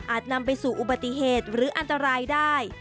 นำไปสู่อุบัติเหตุหรืออันตรายได้